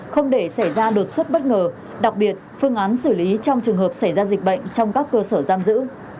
không để xảy ra đột xuất bất ngờ đặc biệt phương án xử lý trong trường hợp xảy ra dịch bệnh trong các cơ sở giam giữ